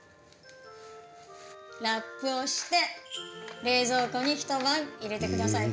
ラップをして冷蔵庫に一晩入れてください。